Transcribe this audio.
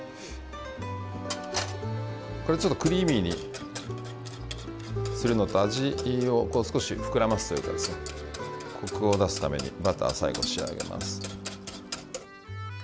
これは、ちょっとクリーミーにするのと味を少し膨らませるというかこくを出すためにバターで最後、仕上げます。